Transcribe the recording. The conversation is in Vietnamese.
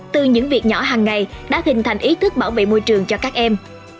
từ những việc nhỏ hàng ngày đã hình thành ý thức bảo vệ môi trường cho các em